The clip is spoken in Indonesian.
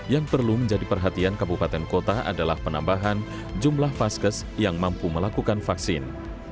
yang perlu menjadi perhatian kabupaten kota adalah penambahan jumlah vaskes yang mampu melakukan vaksin